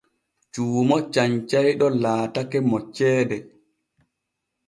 Cuumo canyayɗo laatake mo ceede.